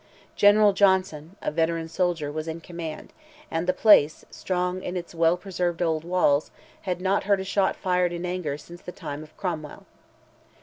General Johnson, a veteran soldier, was in command, and the place, strong in its well preserved old walls, had not heard a shot fired in anger since the time of Cromwell.